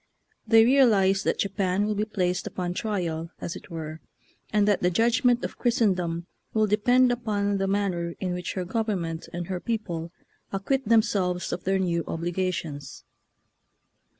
They re alize that Japan will be placed upon trial, as it were, and that the judgment of Christendom will depend upon the man ner in which her government and her people acquit themselves of their new obligations.